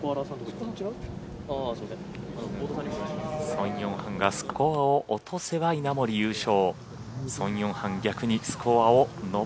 ソン・ヨンハンがスコアを落とせば稲森、優勝。